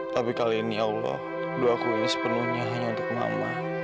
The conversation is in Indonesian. tapi kali ini allah doaku ini sepenuhnya hanya untuk mama